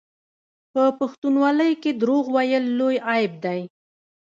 په پښتونولۍ کې دروغ ویل لوی عیب دی.